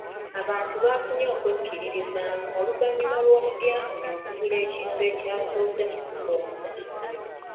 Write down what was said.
Abantu bafunye okwekkiririzaamu oluvannyuma lw'omudyankoni okugula ekintu ekyasoose mu kusonda.